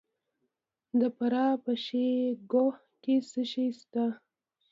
د فراه په شیب کوه کې څه شی شته؟